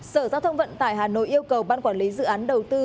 sở giao thông vận tải hà nội yêu cầu ban quản lý dự án đầu tư